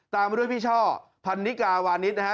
ตามมาด้วยพี่ช่อพันนิกาวานิสนะฮะ